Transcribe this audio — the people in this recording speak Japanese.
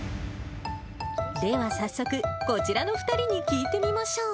では早速、こちらの２人に聞いてみましょう。